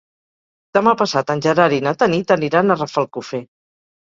Demà passat en Gerard i na Tanit aniran a Rafelcofer.